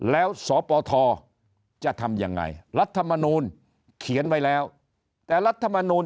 แล้วสปทจะทำยังไงรัฐมนูลเขียนไว้แล้วแต่รัฐมนูล